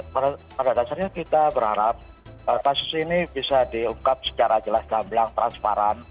pada dasarnya kita berharap kasus ini bisa diungkap secara jelas gamblang transparan